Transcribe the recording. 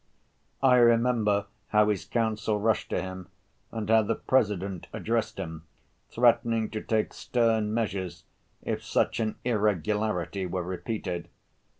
I remember how his counsel rushed to him, and how the President addressed him, threatening to take stern measures, if such an irregularity were repeated.